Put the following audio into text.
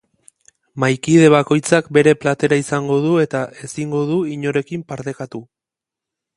Mahaikide bakoitzak bere platera izango du eta ezingo da inorekin partekatu.